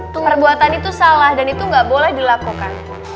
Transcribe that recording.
perbuatan itu salah dan itu gak boleh dilakukan